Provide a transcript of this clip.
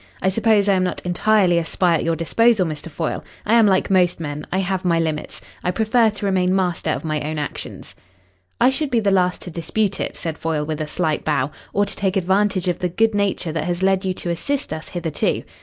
"I suppose I am not entirely a spy at your disposal, Mr. Foyle. I am like most men, I have my limits. I prefer to remain master of my own actions." "I should be the last to dispute it," said Foyle, with a slight bow, "or to take advantage of the good nature that has led you to assist us hitherto.